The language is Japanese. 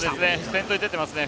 先頭に出ていますね。